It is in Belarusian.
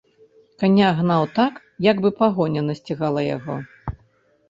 Каня гнаў так, як бы пагоня насцігала яго.